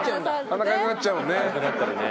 鼻かゆくなっちゃうもんね。